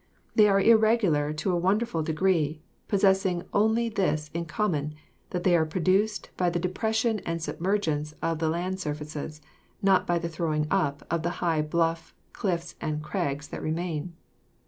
They are irregular to a wonderful degree, possessing only this in common that they are produced by the de pression and submergence of land surfaces, not by the throwing up of the high bluff, cliffs and crags that remain.